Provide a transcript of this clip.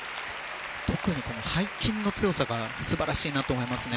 特に背筋の強さが素晴らしいなと思いますね。